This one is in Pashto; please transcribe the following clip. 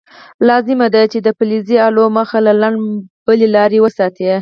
لازمه ده چې د فلزي الو مخ له لنده بل لرې وساتئ.